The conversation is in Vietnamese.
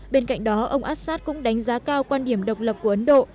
bên cạnh đó ông assad cũng đánh giá cao quan điểm độc lập của ấn độ